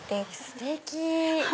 ステキ！